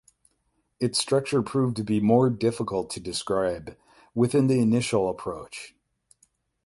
Its structure proved to be more difficult to describe within the initial approach.